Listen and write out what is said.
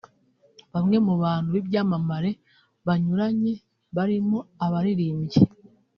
Bamwe mu bantu b’ibyamamare banyuranye barimo abaririmbyi